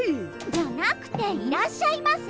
じゃなくていらっしゃいませ！